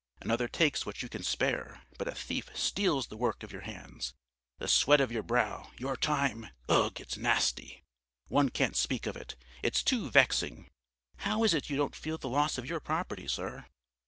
Another takes what you can spare, but a thief steals the work of your hands, the sweat of your brow, your time ... Ugh, it's nasty! One can't speak of it! it's too vexing. How is it you don't feel the loss of your property, sir?"